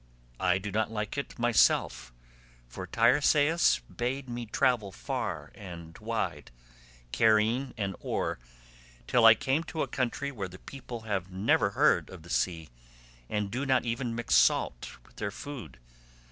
I do not like it myself, for Teiresias bade me travel far and wide, carrying an oar, till I came to a country where the people have never heard of the sea, and do not even mix salt with their food.